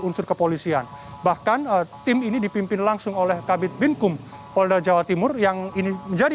unsur kepolisian bahkan tim ini dipimpin langsung oleh kabit binkum polda jawa timur yang ini menjadi